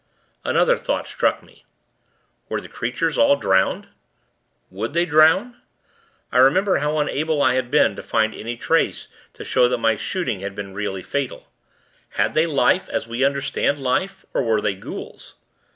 Another thought struck me. Were the creatures all drowned? Would they drown? I remembered how unable I had been to find any traces to show that my shooting had been really fatal. Had they life, as we understand life, or were they ghouls?